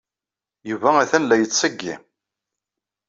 Yuba atan la yettsiggi.